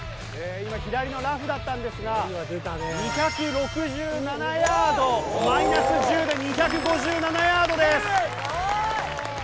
今左のラフだったんですが２６７ヤードマイナス１０で２５７ヤードです。